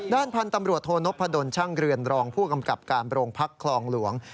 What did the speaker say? ด้านพันธุ์ตำรวจโทนพดลช่างเรือนรองผู้กำกับการโรงพักคลองหลวง